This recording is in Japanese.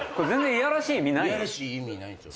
いやらしい意味ないんですよ。